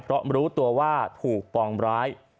เพราะรู้ตัวว่าถูกปองร้าย